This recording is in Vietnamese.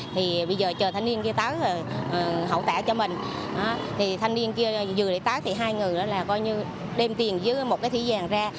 thì bây giờ chờ thân niên kia tới hậu tả cho mình thì thân niên kia vừa để tới thì hai người đó là coi như đem tiền dưới một cái thủy vàng ra